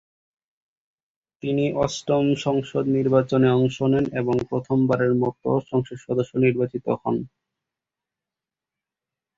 তিনি অষ্টম সংসদ নির্বাচনে অংশ নেন এবং প্রথম বারের মত সংসদ সদস্য নির্বাচিত হন।